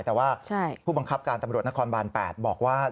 แต่ว่าผู้บังคับการตำรวจนครบาน๘บอกว่า